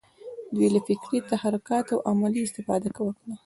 دوی له فکري تحرکاتو عملي استفاده وکړه.